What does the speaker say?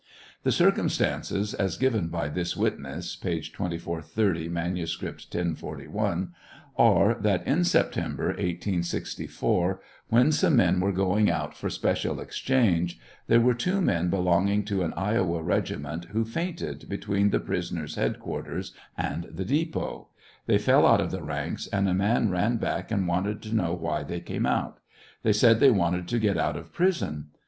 The circumstances, as given by this witness, (p. 2430; manuscript, 1041,} are, that in September, 1864, when some men were going out for special exchange, there were two men belonging to an Iowa regiment who fainted between the prisoner's headquarters and the depot ; they fell out of the ranks, and a man ran back and wanted to know why they came out. They said they wanted to get out of prison.